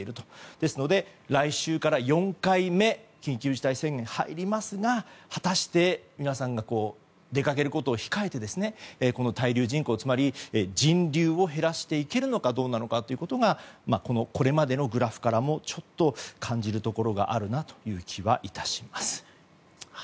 ですので来週から４回目の緊急事態宣言に入りますが果たして皆さんが出かけることを控えて滞留人口、つまり人流を減らしていけるのかどうなのかということがこれまでのグラフからも感じるところがあるなという気が致します。